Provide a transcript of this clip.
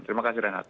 terima kasih rehat